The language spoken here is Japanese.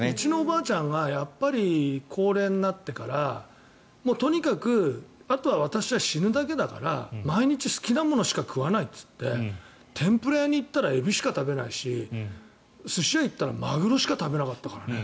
うちのおばあちゃんは高齢になってからとにかくあとは私は死ぬだけだから毎日好きなものしか食わないと言って天ぷら屋に行ったらエビしか食べないし寿司屋に行ったらマグロしか食べなかったからね。